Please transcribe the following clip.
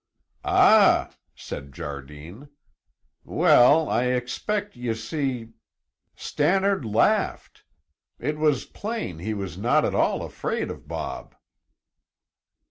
"Ah!" said Jardine. "Weel, I expect ye see " "Stannard laughed. It was plain he was not at all afraid of Bob."